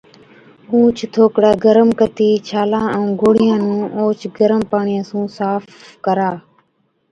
اوهچ ٿوڪڙَي گرم ڪتِي ڇالان ائُون گوڙهِيان نُون اوهچ گرم پاڻِيان سُون صاف ڪرا۔